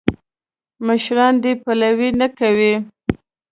مشران دې پلوي نه کوي.